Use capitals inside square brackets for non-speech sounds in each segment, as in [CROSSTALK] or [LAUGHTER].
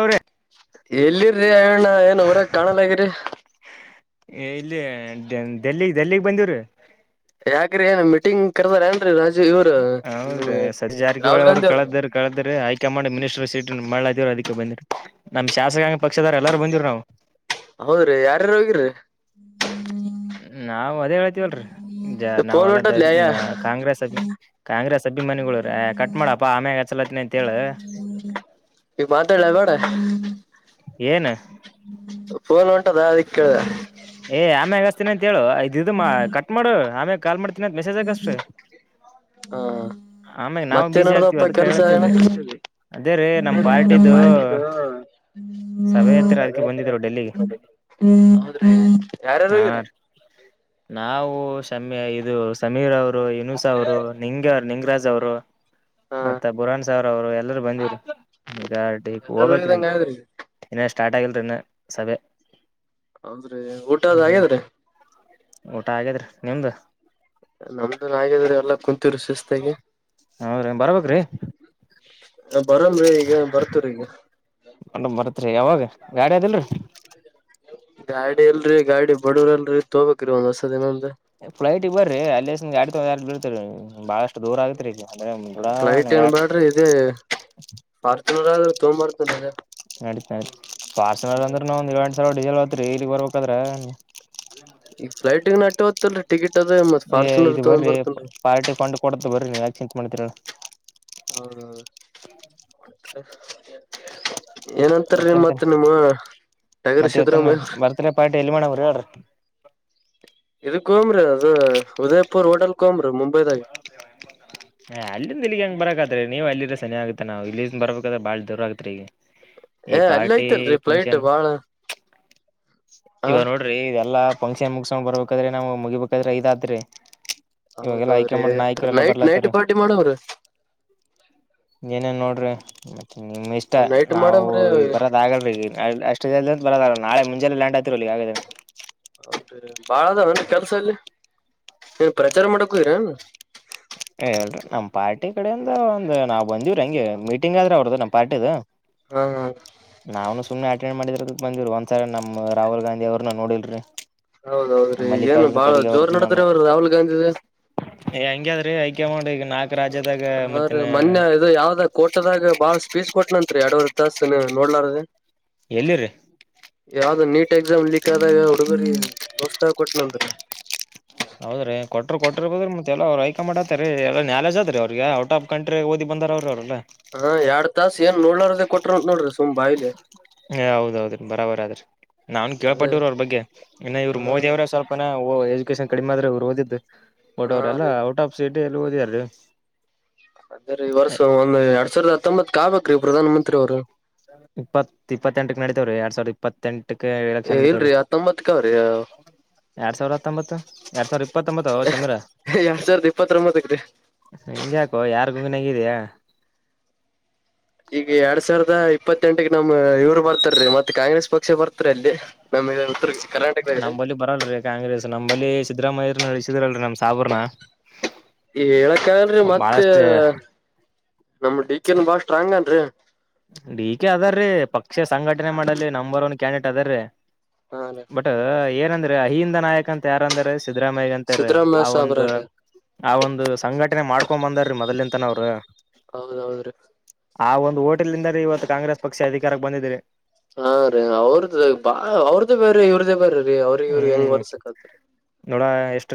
ಅವ್ರೆ ಎಲ್ಲಿರಿ ರವಿಅಣ್ಣ ಏನ್ ಊರಾಗ ಕಾಣಲ್ಗರಿ ಏ ಇಲ್ಲಿ ಡೆಲ್ಲಿಗ್ ಡೆಲ್ಲಿಗ್ ಬಂದಿವ್ರಿ ಯಾಕ್ರ ಏನ್ ಮೀಟಿಂಗ್ ಕರ್ದಾರ ಏನ್ರೀ ರ ಹೌದ್ರೀ ಸ ಜಾರಕಿಹೊಳಿ ರಾಹುಲ್ ಅವರು ಗಾಂಧಿ ಅವ್ರಿ ಕಳದ್ದರ್ ಕಳೆದ್ರಿ ಹೈಕಮಾಂಡ್ ಮಿನಿಸ್ಟರ್ ಸೀಟ್ ಮಾಡಲಾತಿವ ಅದ ಬಂದಿರ ನಮ್ ಶಾಸಕಾಂಗ ಪಕ್ಷದಾರ ಎಲ್ಲಾರು ಬಂದಿರು ನಾವು ಹೌದ್ರಿ ಯಾರ್ಯಾರು ಹೋಗಿರಿ ನಾವು ಅದೇ ಹೇಳ್ತಿವಲ್ರರಿ ಫೋನ್ ನಾವಲ್ಲ ಹೊಂಟದ್ಲ ಯ ಕಾಂಗ್ರೆಸ್ ಅ ಕಾಂಗ್ರೆಸ್ ಅಭಿಮಾನಿಗಳು ರ ಕಟ್ ಮಾಡಪ್ಪಾ ಆಮ್ಯಾಗ ಹಚ್ಚಲತ್ತನಿ ಅಂತ ಹೇಳ ಈಗ ಮಾತಾಲ್ಲ ಬ್ಯಾಡ ಏನು ಫೋನ್ ಉಂಟದ ಅದಿ ಕೇಳ್ದ ಏ ಆಮೆ ಹಗ್ತೀನಿ ಅಂತ ಹೇಳು ಇದ ಇದು ಕಟ್ ಮಾಡು ಆಮೇ ಕಾಲ್ ಮಾಡ್ತೀನಿ ಅತ್ ಮೆಸೇಜ ಹಾಕು ಅಷ್ಟ ಹಾ ಮತ್ತೆ ಆಗ್ತಿವಿ ನಡ್ದಪ್ಪ ಅದಕ್ಕೆ ಕೆಲ್ಸ ಏನ ಹೇಳತಿದ್ವಿ ಅದೇ ರೀ ನಮ್ ಪಾರ್ಟಿದು ನಮ್ಮದು ಸಭೆ ಹತ್ತಿರ ಹ್ಮ ಅದಕ್ಕೆ ಬಂದಿದ್ರು ಡೆಲ್ಲಿಗೆ ಹ್ಮ [INAUDIBLE] ಯಾರಾರು ಹಾ ಹೋಗಿರಿ ನಾವು ಶಮಿ ಇದು ಸಮೀರ್ ಅವರು ಇನುಸ ಅವರು ನಿಂಗ ನಿಂಗ್ರಾಜ್ ಅವರು ಹಾ ಮತ್ತ ಬುರಾಣ್ ಸಾವ್ರ ಅವ್ರು ಎಲ್ಲರು ಬಂದಿದ್ರು ಈಗ ಈ ಎಲ್ಲಾರು ಹೋಗ್ಬೇಕ್ರಿ ಹೋಗಿದಂಗ ಆಗದ್ರಿ ಇನ್ನೇ ಸ್ಟಾರ್ಟ್ ಆಗಿಲ್ರಿ ಇನ್ನ ಸಭೆ ಹೌದ್ರೀ ಊಟ ಅದ ಹ್ಮ್ ಹಾಗ್ಯದ್ರಿ ಊಟ ಆಗಾದ್ರಿ ನಿಮ್ದು ನಮ್ದನ್ರರಾಗಿದ್ರ ಎಲ್ಲ ಕುೂಂತ್ರು ಸಿಸ್ತಗೆ ಹೌದ್ರಿ ಬರ್ಬೇಕ್ರಿ ಬರಲ್ರಿ ಈಗ ಬರ್ತ್ರ ಈಗ ಮಂಡ್ ಬರತ್ರಿ ಯಾವಾಗ ಗಾಡಿ ಅದಲ್ರಿ ಗಾಡಿ ಅಲ್ರರಿ ಗಾಡಿ ಬಡವರಲ್ರಿ ತೊಬೇಕೇರಿ ಒಂದ್ ಹೊರ್ಸ ದಿನಲ್ ಫ್ರರೖಟ್ಟಗ್ ಬರ್ರಿ ಅಲ್ಲಿ ಗಾಡಿ ಬೀತರಿ ಬಾಳಷ್ಟು ದೂರ ಆಗತ್ರಿಗ ಫ್ಲೈಟ್ ಏನ್ ಬಾಡ್ರಿ ಇದೇ ಪಾರ್ಚುನರ್ ಆದ್ರೂ ತೊಗಂಬ್ಬರ್ತನ್ಗ ನಡತ ನ ಪಾರ್ಸನಲ್ ಅಂದ್ರ ನ ಒಂದ್ ಏಳ ಎಂರರ್ ಸಾವಿರ ಡಸೆಲ್ ಹತ್ರಿ ಇಲ್ಲಿಗ್ ಬರ್ಬೇಕಾದ್ರ ಈಗ ಫ್ರರೆಟಗ್ರ್ ನಟ ಹ್ಲ್ ಏ ಇದು ಬರ್ರಿ ಪಾರ್ಟಿ ಫಂಡ್ ಕೊಡದ ಬರಿ ನೀವು ಯಾಕ ಚಿಂತತ್ ಮಾಡಿದೀರ ಹೌದೌದು ಏನಂತಾರೀ ಮತ್ತೆಂತ ಮತ್ ನಿಮ್ಮ ಟಗರ್ ಮತ್ತೆ ಇವತ್ತನ್ ಸಿದ್ದರಾಮಯ್ಯ ಬರ್ತ್ಡೇ ಪಾರ್ಟಿ ಎಲ್ಲಿ ಮಾಡವ್ರ ಹೇಳ್ರಿ ಕೋಮ್ರಿ ಅದು ಉದಯ್ಪುರ್ ಹೋಟೆಲ್ ಕೋಮ್ರಿ ಮುಂಬೈದಾಗ ಇ ಇಗ್ ಹೆಂಗ ಬರಕತ್ತತ್ರಿ ನೀವು ಅಲ್ಲಿರ ಸನಿ ಆಗತ ನಾವ ಇಲ್ಲಿ ಬರಬೇಕಾದ್ರ ಬಾಳ ದೂರ ಆಗ್ತ ಈಗ ಈ ಏ ಅಲ್ಲಿ ಪಾರ್ಟಿ ಐತಲ್ರರಿ ಫ್ಲೈಟ್ ಫಂಕ್ಷನ್ ಬಾಳ ಹ ಇವ ನೋಡ್ರಿ ಇಲ್ಲಾ ಫಂಕ್ಷನ್ ಮುಗಸ್ಕೊಂಡ್ ಬರ್ಬೇಕಾದ್ರಿ ನಾವ ಮುಗಿಬೇಕಾದ್ರೆ ಇದ್ರರಾದ್ರಿ ಇವಾಗೆಲ್ಲ ಹೌದೌದ್ರಿ ಹೈಕಮಾಂಡ್ ನಾಯಕರೆಲ್ಲ ನೈಟ್ ನೈಟ್ ಬರ್ಲತ್ತಾರೆ ಪಾರ್ಟಿ ಮಾಡವ್ರಿ ಏನೇನ್ ನೋಡ್ರಿ ಮತ್ತೆ ನಿಮ್ ಇಷ್ಟ ನೈಟ್ ನಾವು ಮಾಡಮ್ರಿ ಬರೋದ ಆಗಲ್ ಬರಲ್ಲ ನಾಳೆ ಮುಜೆ ಲ್ಯಾ ಆಯ್ತಿರ ಯ ಹಾಗೆ ಹೌದರಿ ಬಾಳ ಅದನ್ ಕೆಲ್ಸಲ್ಲಿ ಏ ಪ್ರಚಾರ ಮಾಡಕೋಗರನ್ ಹೇಳಏರಿ ನಮ್ ಪಾರ್ಟಿ ಕಡಿಂದ ಒಂದ್ ನಾವ್ ಬಂದಿವವ್ರಿ ಹೆಂಗೆ ಮೀಟಿಂಗ್ ಆದ್ರೆ ಅವ್ರದ್ದು ನಮ್ ಪಾರ್ಟಿದ ಹಾ ಹಾ ನಾವನು ಸುಮ್ಮನೆ ಅಟೆಂಡ್ ಮಾಡಿದರ ಬಂದಿವರಿ ಒಂದ್ಸರಿ ನಮ್ಮ ರಾುಲ್ ಗಾಂಧಿ ಅವ್ರನ ನೋಡಿಲ್ರರಿ ಹೌದೌದ್ರಿ ಏನ್ ಬಾಳ ಜೋರ್ ನಡದ್ರ ಅವ್ರ ರಾಹುಲ್ ಗಾಂಧ ಹಂಗಾದ್ರೀ ಐಕಮೌಟ್ ಹಾ ರೀ ಮೊನ್ರರೇ ಇದು ಯಾವ್ದ ಕೊಟದಾಗ ಬಾಳ ಸ್ಪೀಚ್ ಕೊಟ್ನಂತ ಎರಡವ ತಾಸ ನೋಡ್ಲಾರ ಎಲ್ಲಿರಿ ಯಾವ್ದ ನೀಟ್ ಎಕ್ಸಾಮ್ ಲೀಕ್ ಆದಾಗ ಹುಡುಗರಿ ದೋಸ್ತ ಕೊಟ್ಟನಂದ್ರ ಹೌದ್ರೀ ಕೊಟ್ಟರು ಕೊಟ್ಟರ್ಬದ್ರ ಮತ್ತೆ ಎಲ್ಲ ಅವ್ರ ಹೈಕಾ ಆತಾರೆ ಎಾಯಾಲಜ್ತ್ರಿ ಅವ್ರಿಗೆ ಔಟ್ ಆಫ್ ಕಂಟ್ರ ಓದಿ ಅಂದರ್ ಅವರು ಅವರುಲ್ಲ ಹಾ ಎರಡ್ ತಾಸ ಏನ್ ನೋಡಲಾರದ ಕೊಟ್ರಂತ ನೋಡ್ರಿ ಸು ಬಾಯಿಲಿ ಹಏ ಹೌದ್ ಹೌದ್ರ ಬರಾಬರ್ ಆದ್ರರಿ ನಾನ್ ಅದೇ ಕೇಳ್ಪಟ್ಟರು ಅವ್ರ ಬಗ್ಗೆ ಇನ್ನು ಇವ್ರು ಹಾ ಮೋದಿ ರೀ ಅವರ ಸ್ವಲ್ಪನ ಲೊಕೇಶನ್ ಕಡಿಮೆ ಆದ್ರೆ ಅವ್ರು ಓದಿದ್ದು ಒಟ್ಟವ್ರ ಹಾ ಎಲ್ಲ ರೀ ಔಟ್ ಆಫ್ ಸೀಟ್ ಎಲ್ಲಿ ಓದಾರೀ ಅದ ರೀ ಈ ವರ್ಷ ಒಂದ್ ಎರಡ್ ಸಾವಿರದ ಹತ್ತೊಂಬತ್ಕ್ ಆಗ್ಬೇಕ್ರೀ ಪ್ರಧಾನ ಮಂತ್ರಿ ಅವ್ರು ಇಪ್ಪತ್ ಇಪ್ಪತ್ತೆಂಟಕ್ ನಡೀತವ್ರೀ ಎರಡ್ ಸಾವಿರದ ಇಪ್ಪತ್ತೆಂಟು ಏ ಏಳಕ್ಷಾನ ಎಡತರು ಇಲ್ರಿ ಹತ್ತೊಂಬತ್ಕ್ ಅವ್ರಿ ಎರಡ್ ಸಾವಿರದ ಹತ್ತೊಂಬತ್ತು ಎರಡ್ ಸಾವಿರ ಇಪ್ಪತ್ತೊಂಬತ್ತು ಶಮಿರ ಎರಡ್ ಸಾವಿರದ ಇಪ್ಪತ್ತೊಂಬತ್ತಕ್ ರೀ ಹೆಂಗ್ಯಾಕೋ ಯಾರ್ ಗುಂಗನ್ಗಿದ್ಯಾ ಈಗ ಎರಡ್ ಸಾವಿರದ ಇಪ್ಪತ್ತೆಂಟ ನಮ್ ಇವ್ರು ಬರ್ತಾರ ಮತ್ತೆ ಕಾಂಗ್ರೆಸ್ ಪಕ್ಷ ಬರ್ತಾರೆ ಉತ್ತಲ್ಲಿ ನಮಗೆ ಉತ್ತ ಕರ್ನಾಟಕ ನಂಬಲ್ಲಿ ಬರಲ್ರಿ ಕಾಂಗ್ರೆಸ್ ನಂಬಲ್ಲಿ ಸಿದ್ದರಾಮಯ್ಯರ್ನ ಇಳಿಸಿದ್ರಲ್ರಿ ನಮ್ ಸಾಬರ್ನ ಹೇಳಕ್ಕಲ್ರಿ ಮತ್ತೆ ಬಾಳಷ್ಟ ನಮ್ ಡಿ ಕೆನ್ ಬಾಳ ಸ್ಟ್ರಾಂಗ್ಏನ್ರಿ ಡಿ ಕೆ ಅದಾರ್ರೀ ಪಕ್ಷ ಸಂಘಟನೆ ಮಾಡಲ್ ನಂಬರ್ ಒನ್ ಕ್ಯಾಂಡಿಡೇಟ್ ಅದಾರ್ರೀ ಹಾ ರೀ ಬಟ್ ಏನಂದ್ರೆ ಅಹಿಂದ ನಾಯಕ ಅಂತ ಯಾರಂದ್ರ ಸಿದ್ದರಾಮಯ್ಯಗ ಅಂತಾರೀ ಸಿದ್ದರಾಮಯ್ಯ ಆ ಒಂದು ಸಾಬ್ರ್ರೀ ಆ ಒಂದು ಸಂಘಟನೆ ಮಾಡ್ಕೊಂಡ್ ಬಂದಾರೀ ಮೊದ್ಲ್ಂತನ ಅವ್ರ ಅ್ರ ಆ ಒಂದು ಓಟೆಲ್ದ ಇವತ್ತು ಕಾಂಗ್ರೆಸ್ ಪಕ್ಷ ಅಧಿಕಾರಕ್ಕೆ ಬಂದಿದ್ದಿದೀರಿ ಹಾ ರೀ ಅವ್ರದ ಬಾ ಅವ್ರದ್ದೇ ಬೇರೆ ಇವ್ರದ್ದೇ ಬೇರೆೀ ೀ ಅವ್ರಿಗೆ ಇವ್ರ ಹೆಂಗ್ ಬರ್ಸಕ್ತ್ರಿ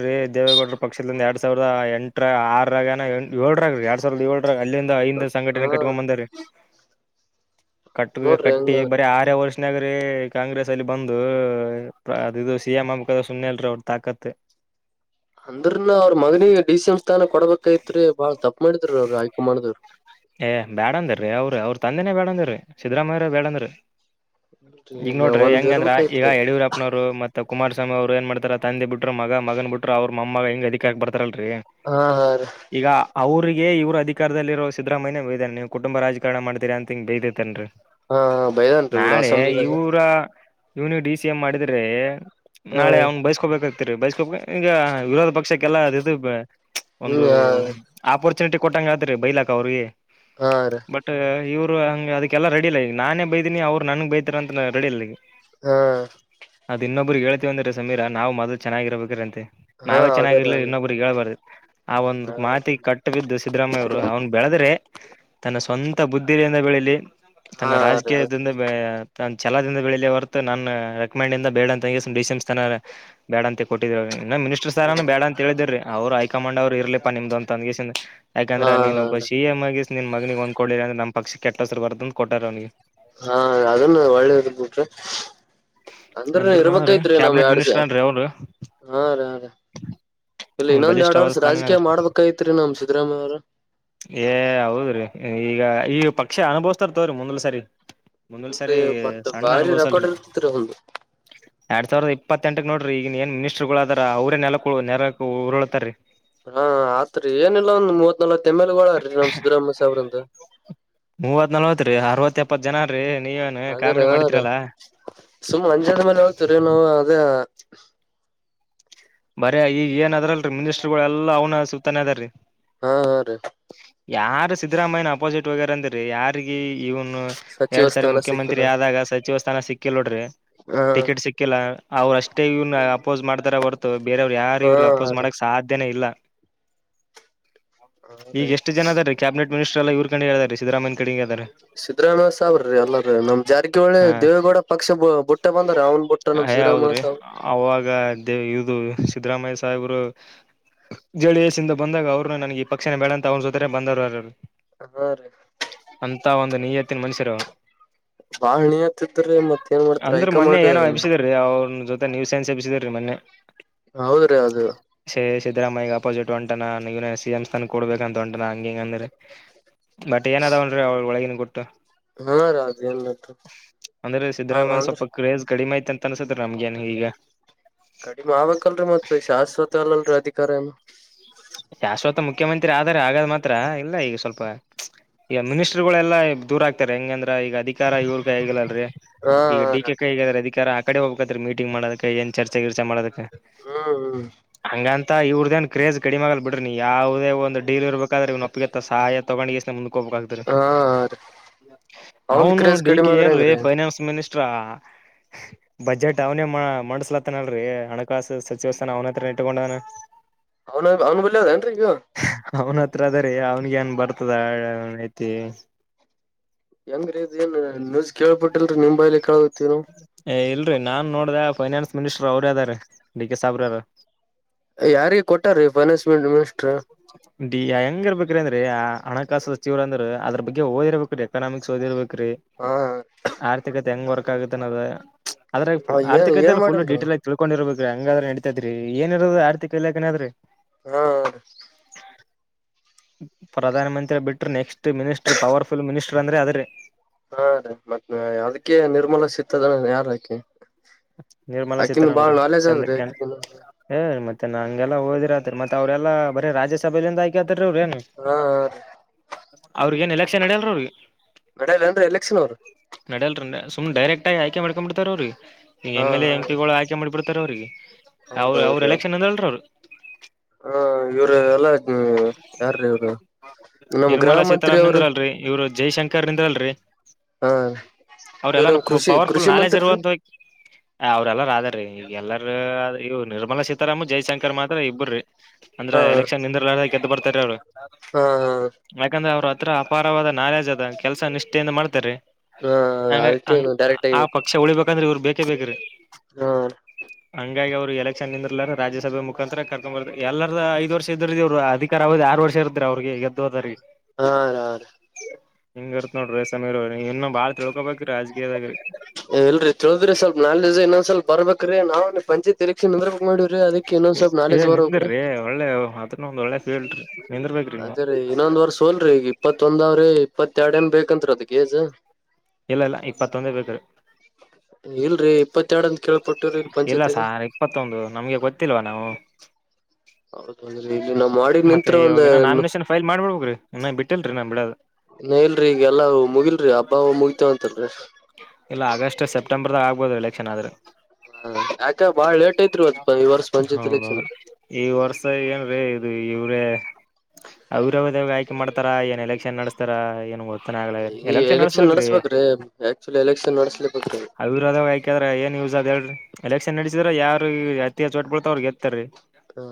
ರೀ ದೇವೇಗೌಡರ ಪಕ್ಷದಿಂದ ಎರಡ್ ಸಾವಿರದ ಎಂಟರ ಆರ ಏರರಿ ಎರಡ್ ಸಾವಿರದ ಏಳ ಅಲ್ಲಿಂದ ಐಂದ ಹಾ ಸಂಘಟನೆ ಕಟ್ಕೊಂಡ ಬಂದರೆ ಕಟ್ಟ ನೋಡ್ರಿ ಕಟ್ಟಿ ಹೆಂಗಾದ್ರಿ ಬರೀ ಆರ ವರ್ಷನಗ್ರೀ ಕಾಂಗ್ರೆಸ್ ಅಲ್ಲಿ ಬಂದು. ಅದು ಇದು ಸಿಎಂ ಹಬ್ಬೇಕ ಸುಮ್ಮನೆಲ್ರೀ ಅವ್ರ ತಾಕತ್. ಅಂದ್ರನ ಅವ್ರ ಮಗನಿ ಡಿ ಸಿ ಎಂ ಸ್ಥಾನ ಕೊಡಬೇಕೈತ್ರಿ ಬಾಳ್ ತಪ್ಪ ಮಾಡಿದ್ರ ಅವರು ಹೈಕಮಾಂಡ್ರು. ಏ ಬ್ಯಾಡ ಅಂದ್ರೀ ಅವ್ರರು ಅವ್ರ ತಂದೆನೇ ಬೇಡ ಅಂದ್ರೀ ಸಿದ್ದ್ರರಾಮಯ್ಯರ ಬೇಡಂದ್ರಿ. ಈಗ ನೋಡ್ರಿ ಒಂದ್ ಹೆಂಗಂದ್ರ ಈಗ ಇರ್ಬೇಕೈತ್ರಿ ಯಡಿಯೂರಪ್ಪನವರು ಮತ್ತ ಕುಮಾರ್ ಸಿ ಅವರು ಏ ಮಾಡ್ತಾರೆ ತಂದೆ ಬಿಟ್ಟರು ಮಗನ್ ಬಿುಟ್ ಅವರುಮೊಮ್ಮಗ ಹ ಹೆಂಗ ಅದಿಕ ಆಕ್ಬತಾರೆ. ಲ್ ಹಾ ಹಾ ರೀ ಈಗ ಅವ್ರಿಗೆ ಇವ್ರ ಅಧಿಕಾರದಲ್ಲಿರೋ. ಸಿದ್ದರಾಮಯ್ಯ ಬಯ್ದಾನ ನೀವು ಕುಟುಂಬ ರಾಜಕಾರಣ ಮಾಡತೀರಿ ಅಂತ ಹಿಂಗ್ ಬದೈತೇನ್ರೀ. ಹಾ ಬೈದಾನ್ರಿ ಬಿಡ ನಾಳೆ ಅಸೆಂಬ್ಲಿದಾಗ ಇವರ ಇವನ ಡಿ ಸಿ ಎಂ ಮಾಡಿದ್ರೆ. ಹಾ ನಾಳೆ ಅವನ್ ಬೈಸ್ಕೋಬೇಕಾಗ್ತಿರಿ ಬೈಸ್ಕೋಬೇಕ ಈಗ ವಿರೋಧ ಪಕ್ಷಕ್ಕೆಲ್ಲ ಅ ಒಂದು ಹ್ಮ್ ಆಪರ್ಚುನಿಟಿ ಕೊಟ್ಟಂಗ ಆತ್ರಿ ಬೈಲಾಕ ಅವ್ರಿಗೆ ಹಾ ರೀ ಬಟ್ ಇವ. ಅವ ಹಂಗಗೆ ಅದಕ್ಕೆಲ್ಲ ರೆಡಿ ಇಲ್ಲ ಈಗ ನಾನೇ ಬೈದೀನಿ ಅವರು ನನ್ಗ್ ಬೈತಾರ ಅ ರೆಡಿ ಇಲ್ಲ ಈಗ. ಹಾ ಇಬ್ಗೆ ಹೇಳ್ತಿವ ಅಂದೀ ಸಮೀರಾ ನಾವು ಮೊದ ಚನ್ನಾಗಿರಬೇಕ್ರ ಅಂತೆ. ಹಾ ನಾವೇ ಅದೇ ರೀ ಚೆನ್ನಾಗಿರ್ಲಿಲ್ಲ ಅದೇ ಇನ್ನೊಬ್ರಿಗೆ ಹೇಳ್ಬಾರ್ದ ಆ ಒಂದ್ ಮಾತಿ ರೀ ಕಟ್ಟ ಬಿದ್ದು ಸಿದ್ದರಾಮಯ್ಯ ಅವ್ರು ಅವ್ನ್. ಬೆಳೆದ್ರೆ ತನ್ನ ಸ್ವಂತ ಬುದ್ಧಿಲ್ಲಿಯಿಂದ ಬೆಳೀಲಿ ತನ್ನ ಹಾ ರೀ ಹಾ ರಾಜಕೀಯದಿಂದ. ತ ಛಲದಿಂದ ಬೆಳಿಲಿ ಹೊರತ ನಾನು ರೆಕಮಂಡ್ಂದಿಂದ ಬೇಡ ಅಂತ ಡಿ ಸಿ ಎಂ ಸ್ಥಾನ ಬೇಡ ಅಂತೆ ಕೊಟ್ಟಿದ್ರು. ಇನ್ನು ಮಿನಿಸ್ಟರ್ ಸರ್ನು ರೀ ಬೇಡ ಅಂತ ಹೇಳಿದಿರ ಅವರು ಹೈಕಮಂಡ್ ಅವ್ರು ಇರ್ಲಿಪಾ ನಿಮ್ದು ಅಂದ್ ಯಾಕಂದ್ರೆ ನೀನು. ಹಾ ಬಸ್ಷೀ ಎ ಮಗಿಸಸ್ ನಿನ್ ಮಗನಿಗೆ ಹೊಂದ್ಕೊಳ್ಳಿ ಅ್ರ ನಮ್ಮ ಪಕ್ಷ ಕೆಟ್ಟೋಸರು ಬರ್ದಂತ ಕೊಟ್ಟಾರ ಅವನಿಗೆ. ಹಾ ಅದನ್ನು ಒಳ್ಳೇದದು ಬಿಟ್ರೆ. ಅಂದ್ರ ಅಂದ್ರನ ಅವ್ರ ಇರ್ಬೇಕೈತ್ರಿ ನಾವ್ ಕ್ಯಾಬಿನೆಟ್ ಎಡ್ಸೆ ಮಿನಿಸ್ಟರ್ ಅನ್ರಿ ಅವ್ರು ಹಾ ರ ರೀ. ಇಲ್ಲ ಇನ್ನೊಂದ್ ಎರಡ್ ಬಲಿಷ್ಠವಾದ ವರ್ಷ ಸ್ಥಾನನ ರಾಜಕೀಯ ಅದ್ರಿ ಮಾಡ್ಬೇಕಯಿತ್ರಿ ನಮ ಸಿದ್ದರಾಮಯ್ಯ ಅವರು. ಏ ಹೌದ್ರೀ ಈಗ ಈ ಪಕ್ಷಿ ಅನುಭವಸ್ತಾರ ತವ್ರಿ ಮುಂದ್ಲ ಸರಿ. ಮುಂದೊಲ್ ಇಲ್ರಿ ಸರಿ ಬಟ್ ಸಣ್ಣ ಬಾರಿ ಅನುಭವ್ಸಲ್ರಿ ರೆಕಾರ್ಡ್ ಇರ್ತತ್ರಿ ಒಂದ್ ಎರಡ್ ಸಾವಿರದ ಇ. ಇಪ್ಪತ್ತೆಂಟಕ್ ನೋಡಿ ಈಗನ್ ಏನ್ ಮಿನಿಸ್ಟರ್ ಗಳಾದಾರ ಅವ್ರೇ ನೆ ನೆರ ಉರುಳಳ್ತಾರೀ. ಹಾ ಆತ್ರಿ ಏನಿಲ್ಲ ಒಂದ್ ಮೂವತ್ ನಲ್ತ್. ತ್ತಮ್ಮೇಲೆ ಒಳಾರಿ ನಮ್ಮ್ ಸಿದ್ದರಾಮಯ್ಯ ಅವ್ರಂತ. ಇಪ್ಪತ್ ಜನ ರೀ. ನೀವೇನ್ ಅದ್ರ ಕಾಮಿಡಿ ರ ಮಾಡ್ತಿರಲ್ಲಾ ಸುಮ್ ಅಂಜಾನ ಮೇಲೆ ಹೇಳ್ತರಿ ನಾವು ಅದೇ. ಬರ ಈಗ ಏನದ್ರಲ್ರಿ ಮಿನಿಸ್ಟರ್ಗಳ ಎಲ್ಲ ಅವನ ಸುತ್ತಾನೇ ಅದಾರ್ರೀ. ಹಾ ಹಾ ರೀ ಯಾರ ಸಿದ್ದರಾಮಯ್ಯ ಅಪೋಸಿಟ್ ವಗ್ಯಾರ ಅಂದ್ರೆ ಯಾರಿಗೆ. ಇವನು ಸಚಿವ ಎರಡ್ ಸಾರಿ ಸ್ಥಾನ ಮುಖ್ಯಮಂತ್ರಿ ಸಿಕ್ಕಿಲ್ಲ ಆದಾಗ ಸಚಿವ ಸ್ಥಾನ ಸಿಕ್ಕಿಲ್ ನೋಡ್ರಿ. ಹಾ ಟಿಕೆಟ್ ಸಿಕ್ಕಿಲ್ಲ ಅವ್ರ ಅಷ್ಟೇ ಇವ್ನ್ ಅಪೋಸ್ ಮಾಡ್ತಾರ ಹೊರ್ತ. ಬೇರೆಯವ್ರು ಯಾರು ಹಾ ಇವ್ರಿಗೆ ಅಪೋಸ್ ರೀ ಮಾಡಕ್ ಸಾಧ್ಯನೇ ಇಲ್ಲ. ಹಾ ಈಗ ರೀ ಎಷ್ಟು ಜನ ಇದಾರೆ ಕ್ಯಾಬಿನೆಟ್ ಮಿನಿಸ್ಟರ್ ಎಲ್ಲ ಇವ್ರ ಕಡೆ ಇದ್ದಾರೆ ಸಿದ್ದರಾಮಯ್ಯ ಕಡೆರೆ. ಸಿದ್ದರಾಮ್ಯ ಸಾಬ್ರೀ ಎಲ್ಲರೀ ನಮ್ ಜಾರಕಿಹೊಳಿ ಹಾ ದೇವೇಗೌಡ ಪಕ್ಷ ಬುಟ್ಟ ಬಂದ್ರ ಅವ್ನ್ ಬುಟ್ಟ. ಅಯ ಸಿದ್ದರಾಮಯ್ಯ ಹೌದ್ರಿ ಸಾವ್ ಅವಾಗ ದೇ ಇದು ಸಿದ್ದರಾಮಯ್ಯ ಸಾಹೇಬರು. ಜೆ ಡಿ ಎಸ್ ಇಂದ ಬಂದಾಗ ಅವರು ನನಗೆ ಈ ಪಕ್ಷನ ಬೆಳ ಅಂತ ಅವ್ರ ಜೊತೆರೆ ಬಂದವರುಾರರು. ಹಾ ರೀ ನೀಯತ್ತನ್ ಮನುಷ್ಯರು. ಬಾಳ ಹಣಿಯತಿದ್ರಿ ಮತ್ ಏನ್ ಮಾಡ್ತರಿ ಅಂದ್ರೆ ಮೊನ್ನೆ ಹೈಕಮಾಂಡ್ ಏನೋ ಅಬ್ಸಿದ್ರೀ ಅವ್ರ ಜೊತೆ ನೀವು. ನ್ಪಿಸಿದ ರೀ ಮನ್ನೆ. ಹೌದ್ರೀ ಅದು. ಸಿದ್ದರಾಮಯ್ಯ ಅಪೋಸಿಟ್ ಒಂಟೆ ನ ಸಿ ಎಂ ಸ್ಥಾನ ಕೊಡಬೇಕ ಅಂತ ಒಂ ಹಂಗ ಹಂಗಂದ್ರ ಬಟ್ ಏನಾದಾವನ್ರೀ ಅವಳ ಒಳಗನ್ ಕೊಟ್ಟು. ಹಾ ರೀ ಅದ ಏನ್ ಅಂದ್ರೆ ಸಿದ್ದರಾಮಯ್ಯ ಅಂದ್ರ ಸ್ವಲ್ಪ ಕ್ರೇಜ್ ಕಡಿಮೆ ಆಯ್ತ. ಅನ್ಸತ್ ರಾಮ್ಗೆನ್ ಈಗ. ಕಡಿಮೆ ಆಕ್ಲ್ರರಿ ಮತ್ತತ್ ಶಾಶ್ವತ ಅಲ್ಲಲ್ರಿ ಅಧಿಕಾರ ಏನು. ಶಾಶ್ವತ ಮುಖ್ಯಮಂತ್ರಿ ಆದರೆ ಆಗಾದ ಮಾತ್ರ ಇಲ್ಲ ಈಗ ಸ್ವಲ್ಪ. ಈಗ ಮಿನಿಸ್ಟ್ರ ಗಳೆಲ್ಲ ದೂರ ಆಗ್ತಾರೆ ಹೆಂಗಂದ್ರ ಈಗ ಅಧಿಕಾರ ಇವ್ರ ಕೈಿ ಆಗಿಲ್ಲಲ್ಲಲ್ರರಿ ಹಾ ಈಗ ಡಿ ಕೆ ಕಾಯಿಗಾದ್ರೆ ಅಿಕಾರ ಕಡೆ ಹೋಗಬೇಕ ರೀಟಿಂಗ್ ಮಾಡದ ಏನ್ ಚರ್ಚೆಿರ್ಚ ಮಾಡದಕ್ಕೆ ಹ್ಮ್ ಹ್ಮ್ ಹಂಗಂತ ಇವ್ರ್ದನ್ ಕ್ರೇಜ್ ಬಿ್ರಿ ನೀ ಯಾವವುೇ ಒಂದು ಡಲ್ ಇರ್ಬೇಕಾದ್ರೆ ನೊಪ್ಪಿಗೆ ಸಹಾಯ ತಗೊಂಡಿ ಹಾ ರೀ ಅವಂದ್ ಅವನು ಕ್ರೇಜ್ ಡಿ ಕಡಿಮೆ ಕೆ ಆದ್ರ ಏನ್ ಹೆಂಗ್ರೀ ಫನಾನ್ ಮ ಅಷ್ಟ್ರಾ ಬಜೆಟ್ ಅವನೇ ಮಾಡಸ್ಲತ್ತನಲ್ರರಿ ಹಣಕಾಸು ಸಚಿವ ಸ್ಥಾನ ಅವನತ್ರ ಇಟ್ಟಕೊಂಡವನ ಆ ಆನು ಬಲ್ಲಿ ಹದಏನು ರೀ ಅವನ ಹತ್ರ ಅದ ರೀ ಅವನ್ಗ ಏನ್ ಬರ್ತದ ಅವನ್ ಐತಿ ಹೆಂಗ್ರೀ ಇದ ಏನ್ ನೀಜ ಕೇಳ್ಬಿಟ್ಟಿಲ್ರಿ ನಿಮ್ ಬೈಲಿ ಕ ಏ ಇಲ್ರಿ ನಾನ್ ನೋಡ್ದ ಫೈನಾನ್ಸ್ ಮಿನಿಸ್ಟರ್ ಅವ್ರ ಅದಾರ ಡಿ ಕೆ ಸಾಬ್ರಾರ ಯಾರಿಗ ಕೊಟ್ಟಾರೀ ಫೈನಾನ್ಸ್ ಮಿನಿಸ್ಟರ್ ಹೆಂಗರ್ಬೇಕ್ರಂದ ಹಣಕಾಸು ಸಚಿವರ ಅಂದ್ರ ಅದ್ರ ಬಗ್ಗೆ ಓದಿರ್ಬೇಕು ಎಕನಾಮಿಕ್ಸ್ ಓದಿರ್ಬೇಕು ್ರಿ ಹಾ ಆರ್ಥಿಕತೆ ಹೆಂಗ್ ವರ್ಕ್ ಆಗತ್ತನದ ಏನ್ ರ್ಿಕ ಏನ್ ು ಮಾಡೇನ್ರಿ ಡಟೇಲ್ ಆಗ ತಿಳ್ಕೊಂಡಿರೋದು ಹಂಗಾದ್ರೆ ನಡಿತತೈ್ರ ಏಿರೋದು ಆರ್ಥಿಕ ಇಲಾಖನಾದ್ರೆ ಹಾ ಪ್ರಧಾನಮಂತ್ರಿ ಬಿಟ್ರರು ನೆಕ್ಸ್ಟ್ ಮಿನಿಸ್ಟ್ರ್ ಪವರ್ಫುಲ್ ಮಿನಿಸ್ಟರ್ ಅಂದ್ರೆ ಆದ್ರೆ ಹಾ ರೀ ಮತ್ತ ಅದಕ್ಕೆೇ ನಿರ್ಮೂಲ ಸಿತ್ತದ ಯಾರಾಕಿ ನಿರ್ಮಲಾ ಸೀತನಗರು ಚಂದ ಅದ್ರಿ ಆಕಿ ಮತ್ತೆ ಮ ನ ಹಂಲ್ಲ ಹದಿರತ್ ಮತ್ತ್ತ ಅವ್ರೆಲ್ಲ ಬರೀ ರಾಜ್ಯಸಭೆಯಲ್ಲಿಿಂದ ಆಯಕ ಹಾ ಹ ರೀ ಅವ್ರಿಗ ಏನ್ ಎಲೆಕ್ಷನ್ ಅಡಲ್ ಅವ್ರಿಗೆ ನಡಲ್ಲ ಅಂದ್ರೆ ಎಲೆಕ್ಷನ್ ಅವರು ತು್ ಡೈರೆಕ್ ಆಗ ಆ್ಕೆ ಮಾಡಕ್ಂಬ ಬಿಡ್ತ ಅವ್ರರಿಗೆ ಈ ಹಾ ಎಂ ಎಂ ಪಿಗಳು ಆ್ೆ ಮಾಡ್ಬಡ್ತಾರ ಅವ್ರಿಗೆ ಅವರು ಅವ್ರ ಹೌದೌದ್ರಿ ಎಲೆಕ್ಷನ್ ಅಂದಲ್ರ ಅವರು ಹ ಇವ್ರು ಎಲ್ಲ ಯಾರ್ರೀ ಇವ್ರು ನಮ್ ಗೃಹ ನಿರ್ಮಲಾ ಮಂತ್ರಿ ಅವರು ಸೀತಾರಾಮನ್ಂದ್ರಲ್ರಿ ಇವ್ರು ಜೈಶಂಕರ್ ಿಂದ್ರಲ್ರರಿ ಹಾ ಇವ್ರ ಅವ್ರಲ್ಲ ನಮ್ ಕೃಷಿ ಪವರ್ಫುಲ್ ಕೃಷಿ ನಾಲೆಜ್ ಇ ಮಂತ್ರಿ ಅಂತ ಹೋಗಿ ಅವ್ರಲ್ಲಾರ ಈ ಎಲ್ಲರ ನಿರ್ಮಲಾ ಸೀತಾರಾಮನ್ ಜೈಶಂಕರ್ ಮಾತ್ರ ಇಬ್ರೀ ಅಂದ್ರೆ ಹಾ ಎಲೆಕ್ಷನ್ ದ್ದ ಬರ್ತಾರ ಅವರು ಹಾ ಯ ಅವ್ರ ಹತ್ರ ಅಪಾರವಾದ ನಾಲೆಜ್ದ ಕೆಲ್ಸ ನಿಷ್ಠೆಯಿಂದ ಮಾಡ್ತಾರರಿ ಹಾ ಹಂಗ ಅದಕ್ಕೆ ಹಂಗ ಡೈರೆಕ್ಟ್ ಆ ಆಗಿ ಪಕ್ಷ ಉಳಿಬೇಕಂದ್ರೆ ಇವ್ರರು ಬೇಕೇ ಬೇಕ್ರೀ ಹಾ ಾಗಿ ಅವ್ರು ಎಲೆಕ್ಷನ್ಂದರ್ಲ ರಾಜ್ಯಸಭೆ ಮುಖಾಂತರ ಕರ್ಕೊ ಬರ್ ಎಲ್ಲರ ಐದು ವರ್ಷ ಎ್ರು ಅಧಿಕಾರ ಹೋದು ಆರು ವರ್ಷ ಇರುದ್ರ ಅವ್ರಿಗೆ ಗೆದ್ದೋದರಿ ಹಾ ರ ರೀ ಹಿಂಗ ಇರುತ್ತತ್ ನೋಡ್ರ ರೇ ಸಮೀರ್ ಇನ್ನು ಬಾಳ ತಿಳ್ಕೋಬೇಕು ಇಲ್ರರಿ ತಿಳಿದ್ರಿ ಸ್ವಲ್ಪ ನಾಲ್ೆ ಡ ಇನ್ನೊಂದ್ ಸ್ವಲ್ಪ ಬರ್ಬೇಕ ನಾವು ಪಂಚಾಯತ್ ಎರಕ್ಷನ್ಂದ್ರ ಏ ನಿಂದಿ್ರ್ರಿ ಒಳ್ಳೆ ಅದನ್ನ ಒಂದ್ ಒಳ್ಳೆ ಫೀಲ್ ರೀ ನಿಂದರ್ಬೇಕ್ರಿ ನೀವು ಅದೇ ರೀ ಇನ್ನೊಂದ್ ವರ್ ಸೋಲ್ರಿ ಈಗ ಇಪ್ಪತ್ತೊಂದ ಅವ್ರಿ ಇಪ್ಪತ್ತ ಎರಡ್ ಏನ್ ಬೇಕತ್ ಅದ್ ಏಜ ಇಲ್ಲ ಇಲ್ಲ ಇಪ್ಪತ್ತೊಂದೇ ಬೇಕ್ರಿ ಇಲ್ಲರಿ ಇಪ್ಪತ್ತೆಡ ಇಲ್ಲ ಸಾರ್ ಇಪ್ಪತ್ತೊಂದು ನಮ್ಗೆ ಗೊತ್ತಿಲ್ವಾ ನಾವು ಹೌದೌದ್ರಿ ಇಲ್ಲಿ ನಮ್ ವಾಡಿಗ್ ಮತ್ತೆ ನಿಂತ್ರ ಒಂದ ಇವಾಗಏನ ನಾಮಿನೇಷನ್ ಫೈಲ್ ಮಾಡ್ಬಡ್ಬಬೇಕು್ರಿ ಇನ್ನ ಬಿಟ್ಟಿಲ್ರರಿ ನಾನ್ ಬಿಡದು ನ ಇಲ್ರೀ ಈಗಲ್ಲಾ ಮುಗಿಲ್ರಿ ಹಬ್ಬ ಮುಗತೇವಂತಲ್ರಿ ಸಂಬರ್ದಾಗಗ್ಬೋದು ಎಲೆಕ್ಷನ್ ಆದ್ರೆ ಹ್ಮ ಹೌದೌ ಎಲೆಕ್ಷನ್ ಈ ವರ್ಷ ಏನ್ರೀ ಇದು ಅವ್ರ ಅವಾಗ ಆಯ್ಕೆ ಮಾಡ್ತಾರ ಏನ್ ಎಲೆಕ್ಷನ್ ನಡೆಸ್ತಾರ ಏನ್ ಗ [UNINTELLIGIBLE] ಆಗ್ ಈ ಎಲೆಕ್ಷನ್ ನಡೆಸ್ಬೇಕ್ರೀ ನಡಸ್ಬೇಕ್ರೀ ಆಕ್ಚುಲಿ ಎಲೆಕ್ಷನ್ ನಡಸ್ಲೇಬೇಕ್ರಿ ಅವಿರೋಧ ಆಯಕಾದ್ರೆ ಏನ್ ದ ಎ [UNINTELLIGIBLE] ಎಲೆಕ್ಷನ್ ನಡೆಸಿದ್ರ ಯಾರ ಅತಿಯ ಚೋಟ್ ಬಳ್ತ ಅವ್ರಿಗೆ ಗೆತ್ತತಾರೀ ಹ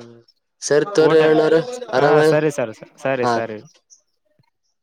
ಸರಿ ತೋರಿ ಊಟ [UNINTELLIGIBLE] ಅಣ್ಣಾವ್ರ ಹಾ ಆರಾಮ ಸರಿ ಸರಿ ಸರಿ ರೀ. ಸರಿ [UNINTELLIGIBLE]